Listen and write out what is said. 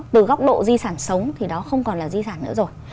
từ góc độ di sản sống thì đó không còn là di sản nữa rồi